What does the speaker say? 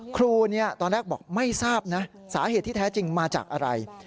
ครูตอนแรกบอกไม่ทราบนะสาเหตุที่แท้จริงมาจากอะไร